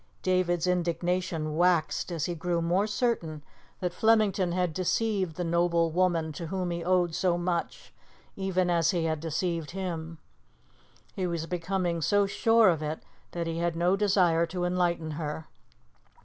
David's indignation waxed as he grew more certain that Flemington had deceived the noble woman to whom he owed so much, even as he had deceived him. He was becoming so sure of it that he had no desire to enlighten her.